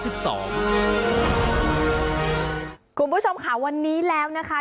คุณผู้ชมค่ะวันนี้แล้วนะคะ